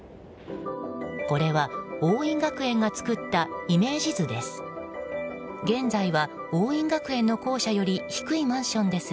これは桜蔭学園が作ったイメージ図です。